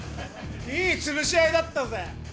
いいつぶし合いだったぜ。